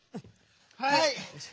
はい！